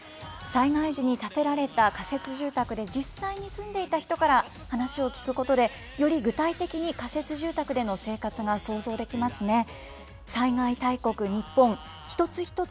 災害時に建てられた仮設住宅で、実際に住んでいた人から話を聞くことで、より具体的に、仮設住宅での生活が想像できますね。